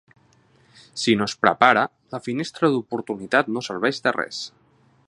Si no es prepara, la finestra d’oportunitat no serveix de res.